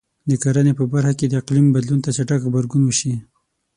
د کرنې په برخه کې د اقلیم بدلون ته چټک غبرګون وشي.